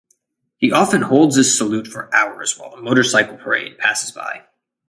He often holds his salute for hours while the motorcycle parade passes by.